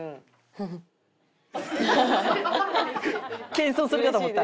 謙遜するかと思った。